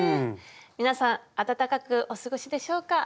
皆さん暖かくお過ごしでしょうか？